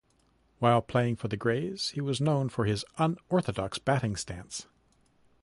While playing for the Grays he was known for his unorthodox batting stance.